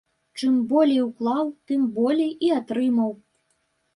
Чым болей уклаў, тым болей і атрымаў.